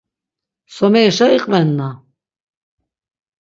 Somerişa iqvenna?